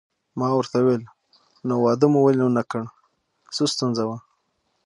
ما ورته وویل: نو واده مو ولې ونه کړ، څه ستونزه وه؟